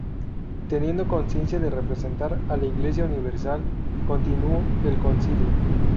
Teniendo conciencia de representar a la Iglesia universal continuó el concilio.